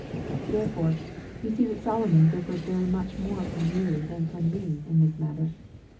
"Therefore, you see that Solomon differed very much more from you than from me in this matter.